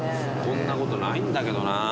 こんなことないんだけどなぁ。